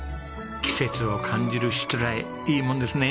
季節を感じる設えいいもんですね。